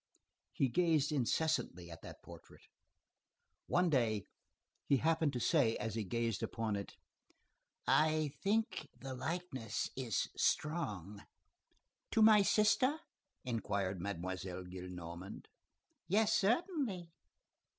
He gazed incessantly at that portrait. One day, he happened to say, as he gazed upon it:— "I think the likeness is strong." "To my sister?" inquired Mademoiselle Gillenormand. "Yes, certainly."